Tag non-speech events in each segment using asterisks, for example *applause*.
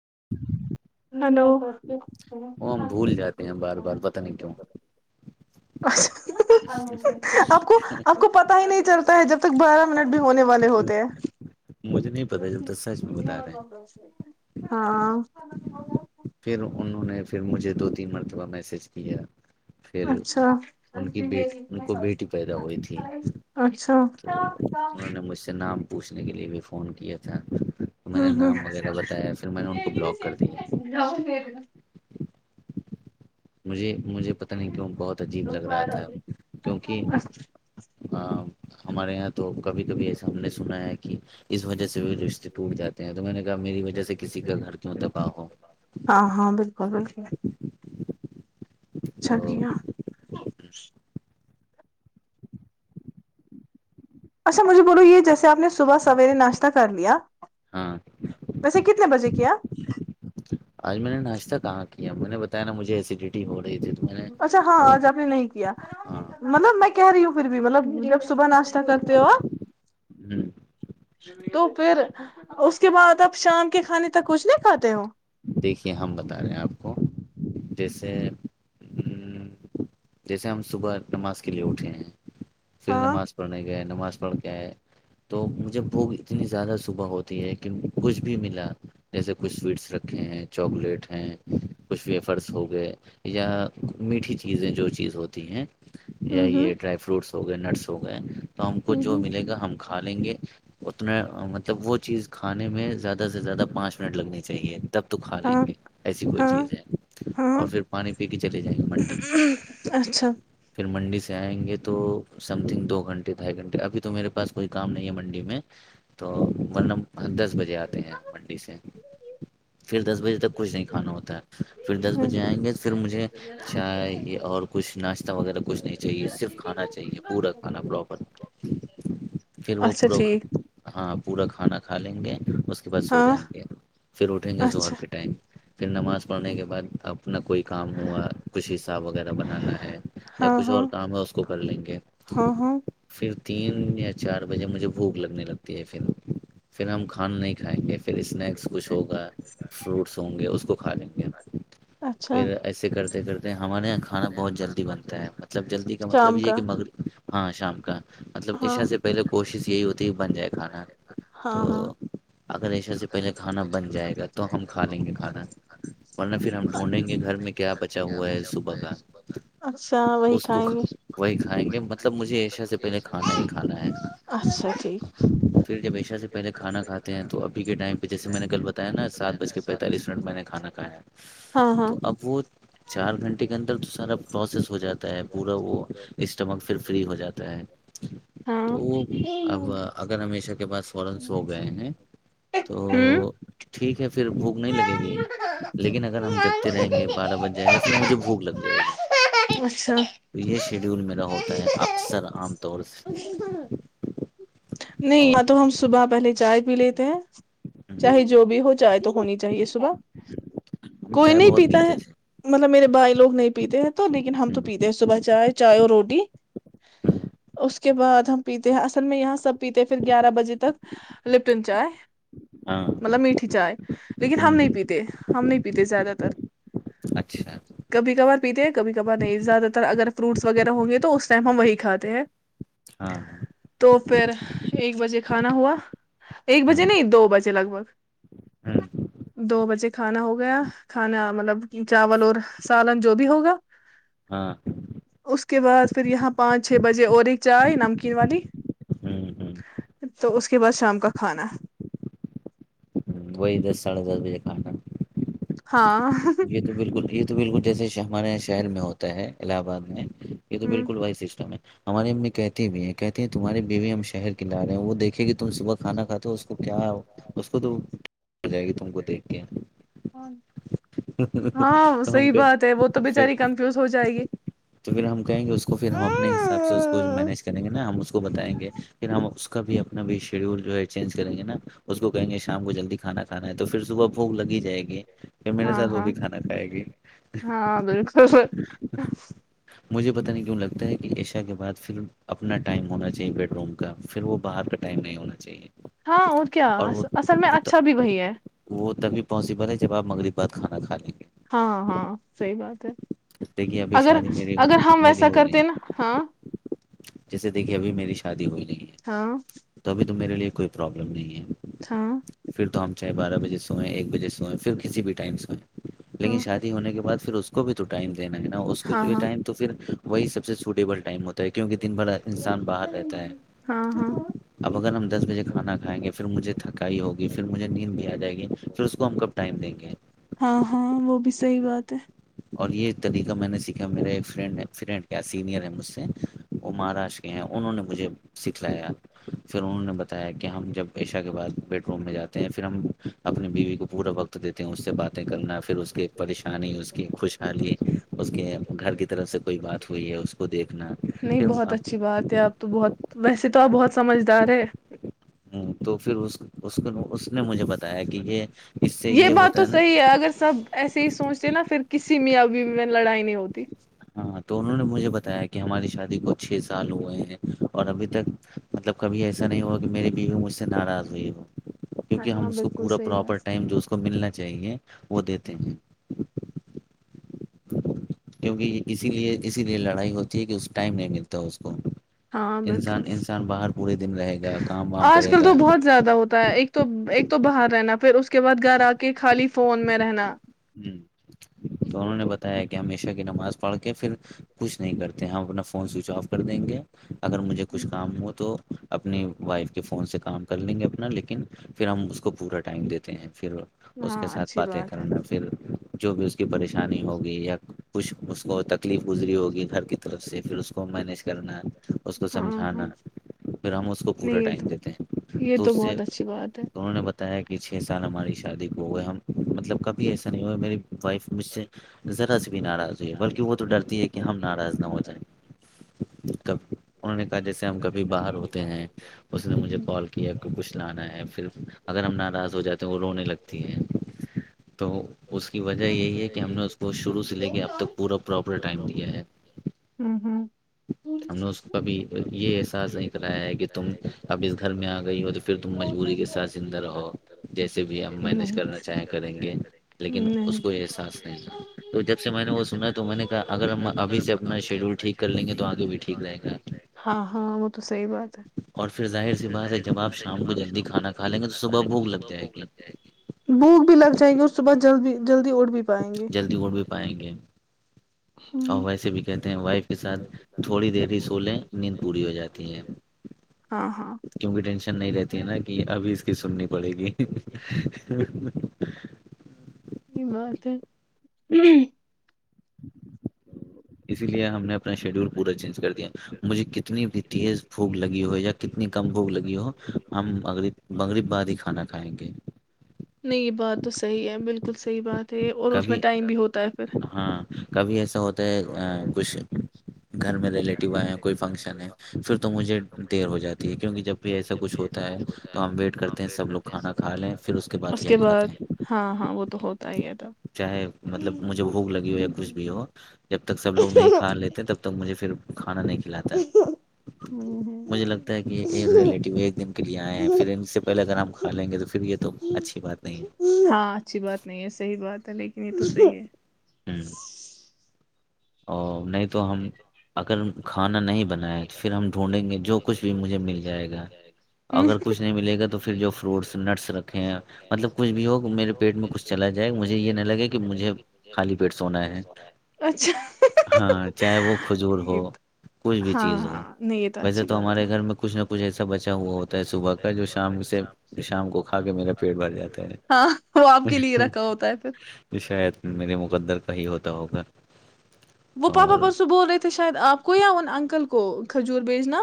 *inaudible* hello وہ ہم بھول جاتے ہیں بار بار پتہ نہیں کیوں آپ کو آپ کو پتا ہی نہیں چلتا ہے جب تک بارہ منٹ بھی ہونے والے ہوتے ہیں مجھے نہیں پتا ج تو سچ میں بتا رہے ہیں ہاں پھر انہوں نے پھر مجھے دو تین مرتبہ میسج دیا اچھا بیٹی ان کو بیٹی پیدا ہوئی تھی اچھا انہوں نے مجھ سے نام پوچھنے کے لیے بھی فون کیا تھا ہ ہ میں نے نام وغیرہ بتایا پھر میں نے ان کو بلاک کر دیا *unintelligible* مجھے مجھے پت نہیں کیوں بہت عجیب لگ رہا تھا کیونکہ ہمارے یہاں تو کبھی کبھی ایسے ہم نے سنا ہے کہ اس وجہ سے رشتے ٹوٹ جاتے ہیں تو میں نے کہا میری وجہ سے کسی کا گھر کیوں تباہ ہو ب بلک اچ چھب تو کیا اچھا مجھے بولو یہ جیسے آپ نے صبح سویرے ناشتہ کر لیا ہاں ویسے کتنے بجے کیا آج میں نے ناشتہ کہاں کیا م میں نے بتایا ن مھے ایسیڈیٹی ہو رہی تھی تو میں نے اچھا ہاں وہ آج آپ نے نہیں کیا ہاں مطلب میں کہہ رہی ہوں پھر بھی مطلب جب صبح ناشتہ کرتے ہو آپ ہ تو پھر اس کے بعد آپ شام کے کھانے تک کچھ نہیں کھاتے ہو دیکھیے ہم بتا رہے ہیں آپ کو جیسے جیسے ہم صبح نماز کے لیے اٹھے ہیں پھر ہاں نماز پڑھنے گیا نماز پڑ کے ہے تو مجھے بھوک اتنی زیادہ صبح ہوتی ہے کہ کچھ بھی ملا جیسے کچھ سویٹس رکھ ہیں چاکلیٹ ہیں کچھ ویفرس ہو گئے یا میٹھی چیزیں جو چیز ہوتی ہیں یہی ہ یہ ڈرائی فروٹس ہو گئے نرس ہو گئے تو ہم کو جو ہ ملے گا ہم کھا لیں گے اتنا مطلب وہ چیز کھانے میں زیادہ زدہ سے زیادہ پانچ منٹ لگنے چاہیے تب تو کھا لیں ہاں گے ایسی کوئی ہاں چیز ہے ہاں اور پھر پانی پی کے چلے جائیں گے منڈی اچھا پھر منڈی سے ج آئیں گے تو سم تھنگ دو گھنٹے ڈھائی گھنٹے ابھی تو میرے پاس کوئی کام نہیں ہے منڈی میں تو ورنہ دس بجے آتے ہیں منڈی سے پھر دس بجے تک کچھ نہیں کھانا ہوتا ہے پھر دس ہ بجے آئیں گے پھر مجھے چائے اور کچھ ناشتہ وغیرہ کچھ نہیں چاہیے صرف کھانا چاہیے پورا کھانا پراپر پھر وہ اچھا پورا ٹھیک ہاں پورا کھانا کھا لیں گے اس کے بعس سو ہاں جائیں گے اٹھیں گے زہر اچھا کے ٹائم پھر نماز پڑھنے کے بعد اپ اپنا کوئی کام ہوا کچھ حصاب وغیرہ بنانا ہے یا ہاں کچھ ہاں اور کام ہے اس کو کر لیں گے ہاں ہاں پھر تین یا چار بجے مجھے بھوک لگنے لگتی ہے پھر پھر ہم کھان نہیں ھ گف اسنیکس *unintelligible* کچھ ہوگا فروٹس ہوں گے اس کو کھا لیں گے اچھا پھر ایسے کر د کرتے ہیں ہمارے یہاںھانا بہت جلدی بنتا ہے مطلب جلدی کا مطلب شام یہ ہے کا کہ م ہاں شام کا *unintelligible* مطلب ہاں ایشا سے پہلے کوشش جی بن جائے کھانا ہاں تو اگر ایشا سے پہل ائےا ورنہ پھر ہم ڈھونڈیں گے گھر میں کیا بچا ہوا ہے صبح کا اچھا وہی اس کو کھائیں گے وہی کھائیں گے مطلب مجھے عشاء سے پہلے کھانا ہی کھانا ہے اچھا ٹھیک پھر جب عشاء سے پہلے کھانا کھاتے ہیں ہاں ہاں *unintelligible* تو ہوں ٹھیک ہے پھر بھوک نہیں لگے گی لیکن اگر ہم جگتے رہیں گے بارہ بج جائے گا پھر مجھے بھوک لگ جائے گی اچھا تو یہ شیڈیول میرا ہوتا ہے اکثر عام طور سے نہیں اور یا تو ہم صبح پہلے چائے پیلےتے ہیں *unintelligible* چاہے جو بھی ہو چاہے تو ہونی چاہیے صبح ہم کوئی چائے نہیں بہت پیتا ہے پیتے تھے مطلب میرے بائے لوگ نہیں پیتے ہیں تو لیکن ہم تو پیتے ہیں صبح چائے چائے اور روٹی اس کے بعد ہم پیتے ہیں اصل میں یہاں سب پیتے پھر گیارہ بجے تک لپٹن چائے ہاں مطلب میٹھی چائے لیکن ہم نہیں پیتے ہم نہیں پیتے زیادہ تر اچھا کبھی کبھار پیتے کبھی کبھار نہیں زیادہ تر اگر فروٹس وغیرہ ہ گے تو اس ٹائم ہم وہی کھاتے ہیں ہاں تو پھر ایک بجے کھانا ہوا ایک ہاں بجے نہیں دو بجے لگ بھگ دو بجے کھانا ہو گیا کھانا مطلب چاول اور سالن جو بھی ہوگا ہاں اس کے بعد پھر یہاں پانچ چھ بجے اور ایک چائے نمکین والی تو اس اس کے بعد شام کا کھانا ہ وہی دس ساڑھے دس بجے کاںٹا ہاں یہی تو بالکل یہ تو بالکل جیسے ہمارےاں شہر میں ہوتا ہے الہ آباد میں یہ تو بالکل بی سسٹم ہے ہماری امی کہتی بھی ہیں کہتی ہیں تمہاری بیوی ہم شہر ک لا رہے ہیں وہ دیکھے گ تم صبح کھانا کھاتے ہو اس کو کیا اس کو جائے گی تم کو دیکھ کے اورن ہاں تو ہم صحی کہتے بات ہے وہ تو پھر بچاری کمفیوز ہو جائے گی تو پھر ہم کہیں گے اس کو پھر ہم اپنے حساب سے اس کو جو مینیج کریں گے نا ہم اس کو بتائیں گے پھر ہم اس کا بھی اپنا بھی شیڈیول جو ہے چینج کریں گے نا اس کو کہیں گے شام کو جلدی کھانا کھانا تو پھر صبح بھوک لگ ہی جائے گی پ میرے ہاں ساتھ وہ ہاں بھی کھانا کھائے گی ہاں بالکل مجھے پتاہ نہیں کیوں لگتا ہے کہ ایشا کے بعد پھر اپنا ٹائم ہونا چاہیے بیڈ روم کا پھر وہ باہر کا ٹائم نہیں ہونا چاہیے ہاں اور کیا وہ اصل میں وہ ت- اچھا بھی وہی ہے وہ تبھی پاسبل ہے جب آپ مغرب بات کھانا کھا لیں گے ہاں ہاں صحی بات ہے دیکھیے ابھی اگر شادی میری اگر ہو- ہم میری ویسا ہوئی کرتے نہیں ہیں نا ہاں جیسے دیکھیے ابھی میری شادی ہوئی نہیں ہے ہاں تو ابھی تو میرے لیے کوئی پروابلم نہیں ہاں ہے پھر تو ہم چاہے بارہ بجے سوئیں ایک بجے سوئیں پھر کسی بھی ٹائم سوئیں لیکن ہاں شادی ہونے کے بعد پھر اس کو بھی تو ٹائم *unintelligible* دینا ہے نا اس کو ہاں جو ہاں ٹائم تو پھر وہی سب سے سوٹیبل ٹائم ہوتا ہے تو کیونکہ دن بھر انسان باہر رہتا ہے ہاں ہاں اب اگر ہم دس بجے کھانا کھائیں گے پھر مجھے تھکائی ہوگی پھر مجھے نیند بھی آ جائے گی پھر اس کو ہم کب ٹائم دیں گے ہاں ہاں وہ بھی صحیح بات ہے اور یہ طریقہ میں نے سیکھا میرے ایک ف ف سینئر ہے مجھ سے وہ مہاراشٹر کے ہیں انہوں نے مجھے سکھلایا پھر انہوں نے بتایا کہ ہم جب عشا کے بعد بیڈ روم میں جاتے ہیں پھر ہم اپنی بیوی کو پورا وقت دیتے ہیں باتیں کرنا پھر اس کی ایک پریشانی ہو خوشحالی اس کے گھر کی طرف سے کوئی بات ہوئی ہے اس کو دیکھنا نہیں بہت ہ اچھی بات ہے آپ تو بہت ویسے تو آپ بہت سمجھدار ہے تو پھر اس کو اور یہ بات ہوتا تو نا صحیح ہے اگر سب ایسے ہی سوچتے ہیں نا پھر کسی میں میں لڑائی نہیں ہوتی ہاں تو انہوں نے مجھے بتایا کہ ہماری شادی کو چھ سال ہوئے ہیں اور ابھی تک مطلب کبھی ایسا نہیں ہوا کہ میری بیوی مجھ سے ناراض ہوئی ہو کیونکہ ہم ہاں اس کو بالکل پورا صحیح پراپر بات ٹائم جو اس کو ملنا چاہیے وہ دیتے ہیں کیونکہ اسی لیے اسی لیے لڑائی ہوتی ہے کہ اس ٹائم نہیں ملتا ہے اس کو ہاں انسان بالکل انسان باہر پورے دن رہے گا کام وام آج کرے کل تو گا بہت زیادہ ہوتا ہے ایک تو ایک تو باہر رہنا پھر اس کے بعد گھر آ کے خالی فون میں رہنا جی تو انہوں نے بتایا کیا م شا کی نماز پڑھ کے پھر کچھ نہیں کرتے ہم اپنا فون سوئچ آف کر دیں گے اگر مجھے کچھ کام ہو تو اپنی وائف کے فون سے کام کر لیں گے اپنا لیکن پھر ہم اس کو پورا ٹائم دیتے ہیں پھر اس ہاں کے ساتھ اچھی باتیں بات ہے کرنا جو بھی کی پریشانی ہوگی یا خوش خش اس کو تکلیف گزری ہوگی گھر کی طرف سے پھر اس کو مینیج کرنا اس کو ہاں ہاں سمجھانا پھر ہم اس کو نہیں پورا یہ تو ٹائم دیتے ہیں یہ تو اس سے بہت اچھی بات ہے انہوں نے ب ہے کہ چھ سال ہماری شادی کو ہو گئے ہم مطلب کب ایسا نہیں ہو میری وائف مجھ سے ذرا بھی ناراض ہوئی ہے بلکہ وہ تو ڈرتی ہے کہ ہم ناراض نہ ہو جائیں کب انہوں نے کہا جیسے ہم کبھی باہر ہوتے ہیں اس نے مجھے ہوں کال کیا کہ کچھ لانا ہے پھر اگر ہم ناراض ہو جاتے ہیں وہ رونے لگتی ہے تو اس کی وجہ یہی ہے کہ ہم نے اس کوش لے کے اب ت پا پرپر ٹم د ہوں ہم نے یہ احساس نہیں کرایا ہے کہ تم اب اس گھر میں آ گئی ہو تو پھر تم مجبوری کے ساتھ زندہ رہو جیسے بھی ہم نہیں مینج نہیں کرنا چاہیں گ لیکن اس کو احساس نہیں ہے تو جب سے نے وہ سنا تو میں نےا اب سے اپنا شیڈول ٹھیک کر لیں گے توب ٹھیک رہ گااں ہاں وہ تو صحیح بات ہے اور پھر ظاہر سی بات ہے جب آپ شام کو جلی کھانا کھا لیں صبح بھوک لگ جائے گی بھوک بھی ل چاہیںے ص بع جلد جلدی بھی پائیں گے بائیں گے اور ہوں ویسے بھی کہتے ہیں وائف کے ساتھ تھوڑی دیر ر سولیں نیند پوری ہو جاتی ہے ہاں ہاں کیونکہ ٹینشن نہیں رہتی ہے نا کہ ابھی اس کی سننی پڑے گی ہوں اسی لیے ہم نے اپنا شیڈیول پورا چینج کر دیا مجھے کتنی بھی تیز بھوک لگی ہو یا کتنی کم بھوک لگی ہو ہمغری بغریب بعاد ہی کھانا کھائیں گے نہیں یہ بات تو صحیح ہے بالکل صحیح بات ہے اور اس میں کبھی ٹائم بھی ہوتا ہے ہاں کبھی ایسا ہوتا ہے کچھ گھر کا ری آ کو ف تو مجھے د ہو جاتی ہے کیک جب بھی ایسا کچھ ہوتا ہے تو ہم ویٹ کرتے ہیں سب لوگ کھانا کھا جائے اس کے بعد ہاں ہاں وہ تو تی چاہے مطلب مجھے بھوک لگی ہو یا کچھ بھی ہو جب تک سب لوگ نہیں کھا لیتے تب تک مجھے پھر کھانا نہیں کھلاتا ہ مجھے لگتا کہ ایک دن کے لیے آئے ہیں پھر سے پہلے ا ہم کھا لیں گے تو پھر یہ تو اچھی بات نہیں ہے ہاں اچھی بات نہیں ہے صحیح بات لیکن یہ تو جٹ *unintelligible* ا نہیں تو تو ہم اگر کھانا نہیں بنائےیں تو پھر ہم ڈھونڈیں گے جو کچھ بھی مجھے مل جائے گا ہے اگر کچھ نہیں ملے گا تو پھر جو فروٹس نٹس رکھے مطلب کچھ بھی ہو میرے پیٹ میں کچھ چلا جائے گا مجھے یہ نہیں لگے کہ مجھے خالی پیٹ سونا ہے اچھا ہاں چاہے وہ کھجور ہو یہ کچھ بھی ہاں چیز ہو ہاں نہیں یہ ویسے اچھی تو بات ہے ہمارے گھر میں کچھ نہ پجھ اھا بچا ہوا ہوتا ہے صبح کا جو شام سے شام کو کھا کے میرا پیٹ بھر جاتا ہے ہاں وہ آپ کے لیے رکھا ہوتا ہے پھر شاید میرے مقدر کا ہی ہوتا ہوگا وہ پاپا اور پرسو بول رہے تھے شاید آپ کوئی ان انکل کو کھجور بیچنا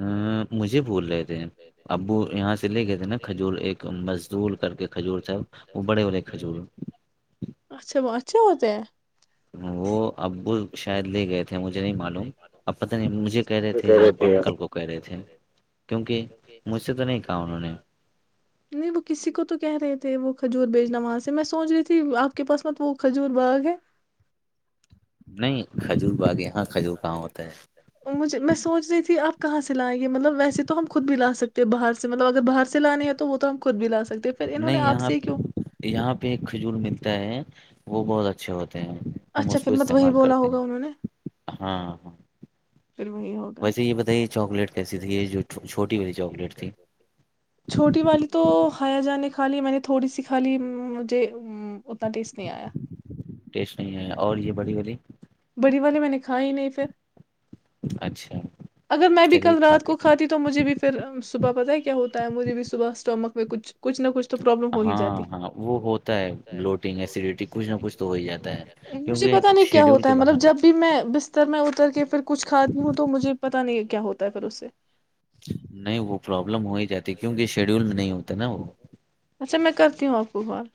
ہ مجھے بول رہے تھے ابو یہاں سے لے گئے تھے نا کھجور ایک مزدور کر کے کھجور سب وہ بڑے بڑے کھجور کے ہوتے ہیں وہ ابو شاید لے گئے تھے مجھے نہیں معلوم اب پت نہیں مجھے کہہ رہے تھے یا انکل کو کہہ رہے تھے کیونکہ مجھ سے تو نہیں کہا انہوں نے نہیں وہ کسی کو تو کہ رہے تھے وہ کھجور بھیجنا وہاں سے میں سوچ رہی تھی آپ کے پاس میں تو وہ کھجور باغ ہے نہیں کھجور باغ یہاں کھجور کہاں ہوتا ہے مجھے میں سوچ رہی تھی آپ کہاں سے لائیں گے مطلب ویسے تو ہم خود بھی لا سکتے ہیں باہ سےطلب اگر باہر سے لانے ہیں تو وہ تو ہم خود بھی لا سک ہیں پھر انہوں نے نہیں آپ یہاں سے ہی کیوں یہاں پہ ایک کھجور ملتا ہے وہ بہت اچھا اچھے ہوتے ہیں ہم اچھا اس پھر کو مت وہی استعمال بولا کرتے ہوگا ہیں انہوں نے ہاں ہاں پھر وہی ہوگا ویسے یہ بتائیے چاکلیٹ کیسی تھی یہ جو چھو- چھوٹی والی چاکلیٹ تھی چھوٹی والی تو کھایا جانے کھا لی میں نے تھوڑی سی کھا لی مجھے ام، اتنا ٹیسٹ نہیں آیا ٹیسٹ نہیں ہے اور یہ بڑی بی جی بڑی والے میں نے کھا ہی نہیں پھر اچھا اگر میں بھی چلیے کل کھا رات کر کو کھاتی تو مجھے بھی پھر صبح پتہ ہے کیا ہوتا ہے مجھے بھی صبح اسٹمک کوئی کچھ نہ کچھ تو پرابلم ہو ہی جاتی ہاں ہاں وہ ہوتا ہے بلوٹنگ ایسیڈیٹی کچھ نہ کچھ تو ہو ہی جاتا ہے مجھے کیونکہ پتا نہیں کیا شیڈیول ہوتا کے مطلب باہر ہو جب بھی میں بستر میں اتر کے پھر کچھی ہوں تو مجھے پتا نہیں کیا ہوتا ہے پھر اس سے نہیں وہ پرابلم ہو ہی جاتی ہے، کیونکہ شیڈیول میں نہیں ہوتا نا وہ اچھا میں کرتی ہوں آپ کو بال